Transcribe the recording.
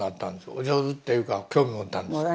お上手っていうか興味持ったんですか？